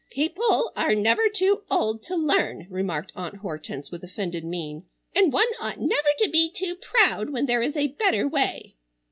"People are never too old to learn," remarked Aunt Hortense with offended mien, "and one ought never to be too proud when there is a better way."